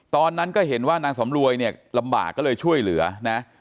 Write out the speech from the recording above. ตอนนั้นก็เห็นว่านางสำรวยเนี่ยลำบากก็เลยช่วยเหลือนะ